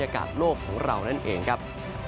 อากาศโลกของเรานั่นเองครับ